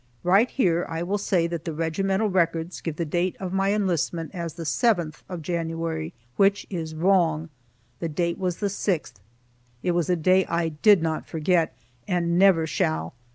Right here I will say that the regimental records give the date of my enlistment as the 7th of January, which is wrong. The date was the 6th. It was a day I did not forget, and never shall.